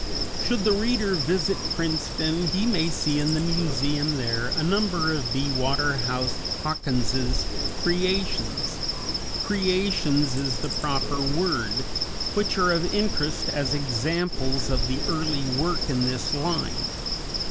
_ _Should the reader visit Princeton, he may see in the museum there a number of B. Waterhouse Hawkins's creations creations is the proper word which are of interest as examples of the early work in this line.